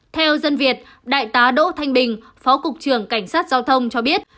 theo dân việt đại tá đỗ thanh bình phó cục trưởng cảnh sát giao thông cho biết